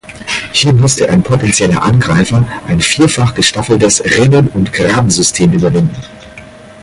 Hier musste ein potentieller Angreifer ein vierfach gestaffeltes Rinnen- und Grabensystem überwinden.